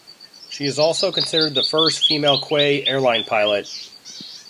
She is also considered the first female Kwe airline pilot.